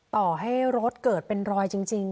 ต่อให้รถเกิดเป็นรอยจริง